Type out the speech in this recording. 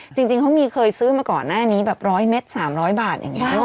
จริงเค้าเคยซื้อมาก่อนแบบร้อยเม็ด๓๐๐บาท